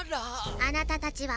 あなたたちは？